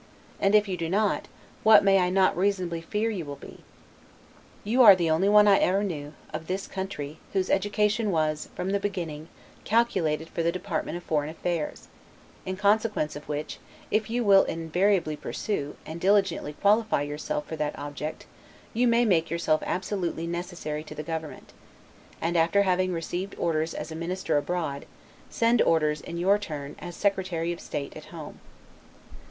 And if you do not, what may I not reasonably fear you will be? You are the only one I ever knew, of this country, whose education was, from the beginning, calculated for the department of foreign affairs; in consequence of which, if you will invariably pursue, and diligently qualify yourself for that object, you may make yourself absolutely necessary to the government, and, after having received orders as a minister abroad, send orders, in your turn, as Secretary of State at home.